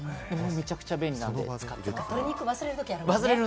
めちゃくちゃ便利なので預けてます。